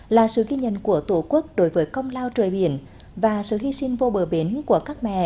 là sự ghi nhận của tổ quốc đối với công lao trời biển và sự hy sinh vô bờ bến của các mẹ